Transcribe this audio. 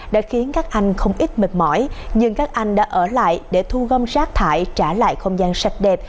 đã khiến các anh không ít mệt mỏi nhưng các anh đã ở lại để thu gom rác thải trả lại không gian sạch đẹp